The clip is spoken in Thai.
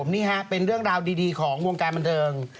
นี่ฮะเป็นเรื่องราวดีของวงการบันเทิง